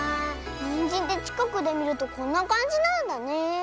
ニンジンってちかくでみるとこんなかんじなんだねえ。